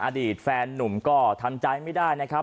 อดีตแฟนนุ่มก็ทำใจไม่ได้นะครับ